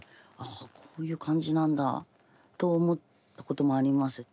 あこういう感じなんだと思ったこともあります。